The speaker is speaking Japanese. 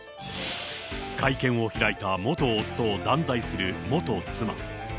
会見を開いた元夫を断罪する元妻。